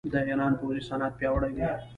د ایران پوځي صنعت پیاوړی دی.